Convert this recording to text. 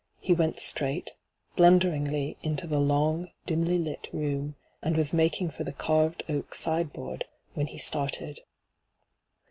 He went straight, blunderingly, into the long, dimly lit room, and was making for the carved oak sideboard, when he started.